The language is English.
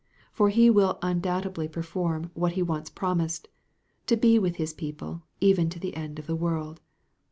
For he will undoubtedly perform what he once promised, to be with his people "even to the end of the world."